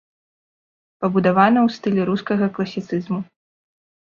Пабудавана ў стылі рускага класіцызму.